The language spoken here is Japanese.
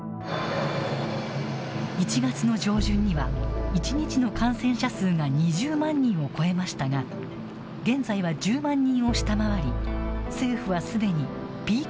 １月の上旬には１日の感染者数が２０万人を超えましたが現在は１０万人を下回り政府は、すでにピークアウトしたとみています。